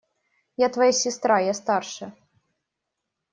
Я твоя сестра… Я старше.